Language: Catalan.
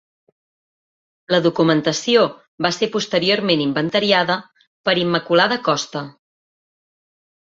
La documentació va ser posteriorment inventariada per Immaculada Costa.